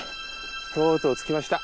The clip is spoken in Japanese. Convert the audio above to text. とうとう着きました。